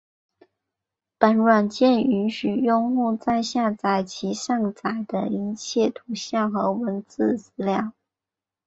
本软件允许用户在下载其上载的一切图像和文字资料。